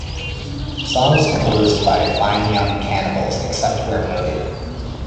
Songs composed by Fine Young Cannibals except where noted.